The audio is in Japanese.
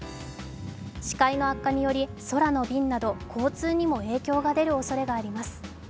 視界の悪化により空の便など交通にも影響が出るおそれがあります。